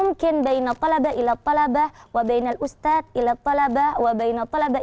mungkin antara pelajar pelajar